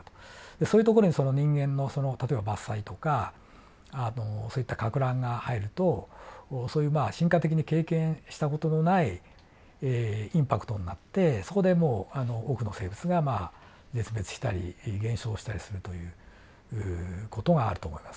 そういうところにその人間の例えば伐採とかそういったかく乱が入るとそういうまあ進化的に経験した事のないインパクトになってそこでもう多くの生物がまあ絶滅したり減少したりするという事があると思います。